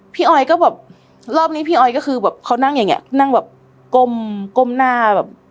พี่ออยก็แบบรอบนี้พี่ออยก็คือเขานั่งอย่างนี้นั่งแบบก้มหน้า